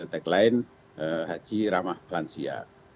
tagline haji ramah lansia